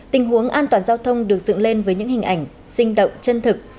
tình huống an toàn giao thông được dựng lên với những hình ảnh sinh động chân thực